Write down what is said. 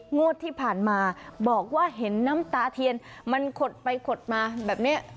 งวดที่ผ่านมาบอกว่าเห็นน้ำตาเทียนมันขดไปขดมาแบบนี้